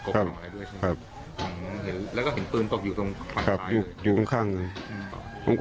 ครับครับแล้วก็เห็นปืนตกอยู่ตรงข้างครับอยู่ตรงข้างเลย